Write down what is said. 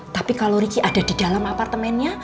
tapi kalau ricky ada di dalam apartemennya